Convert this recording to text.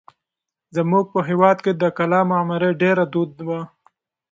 زموږ په هېواد کې د کلا معمارۍ ډېره دود وه.